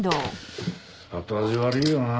後味悪いよな。